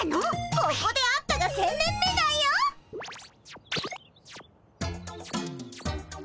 ここで会ったが１，０００年目だよっ！